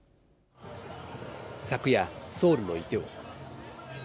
昨夜、ソウルのイテウォン。